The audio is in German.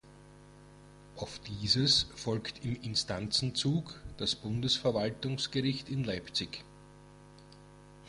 Auf dieses folgt im Instanzenzug das Bundesverwaltungsgericht in Leipzig.